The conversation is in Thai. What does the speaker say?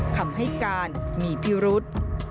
คำให้การมีพิรุษ